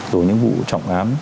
rồi những vụ trọng ám